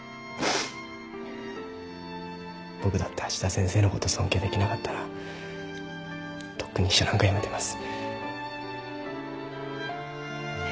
僕だって芦田先生のこと尊敬できなかったらとっくに秘書なんか辞めてます。